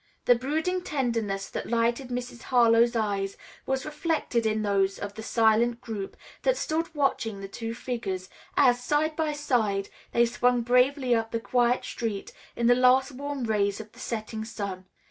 The brooding tenderness that lighted Mrs. Harlowe's eyes was reflected in those of the silent group that stood watching the two figures as, side by side, they swung bravely up the quiet street in the last warm rays of the setting sun.